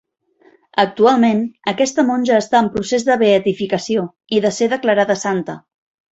Actualment aquesta monja està en procés de beatificació i de ser declarada santa.